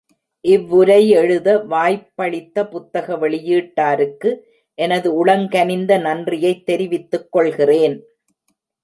இவ்வுரை எழுத வாய்ப்பளித்த புத்தக வெளியீட்டாருக்கு எனது உளங்கனிந்த நன்றியைத் தெரிவித்துக் கொள்கிறேன்.